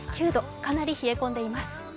かなり冷え込んでいます。